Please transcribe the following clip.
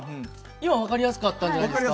今分かりやすかったんじゃないですか？